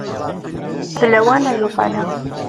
D lawan ad uɣaleɣ.